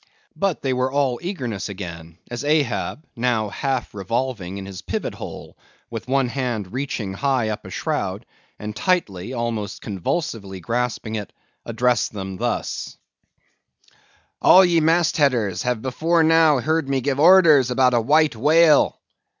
But, they were all eagerness again, as Ahab, now half revolving in his pivot hole, with one hand reaching high up a shroud, and tightly, almost convulsively grasping it, addressed them thus:— "All ye mast headers have before now heard me give orders about a white whale.